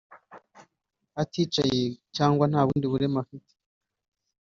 aticaye cyangwa niba nta bundi burema afite